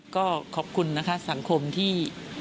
ก็ขอบคุณนะคะสังคมที่